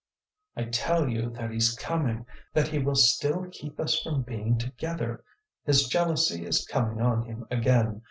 "I tell you that he's coming, that he will still keep us from being together! His jealousy is coming on him again.